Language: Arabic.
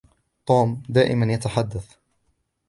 توم دائما يتحدث